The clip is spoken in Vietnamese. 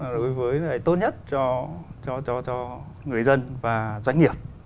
đối với tốt nhất cho người dân và doanh nghiệp